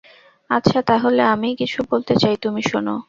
আচ্ছা, তা হলে আমিই কিছু বলতে চাই তুমি শোনো।